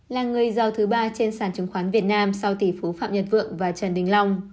là người giao thứ ba trên sàn chứng khoán việt nam sau tỷ phú phạm nhật vượng và trần đình long